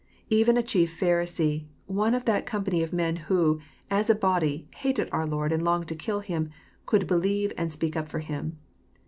Even a chief Pharisee, one of that com pany of men who, as a body, hatea our Lord and longed to kill Him, could believe and speak up for Him.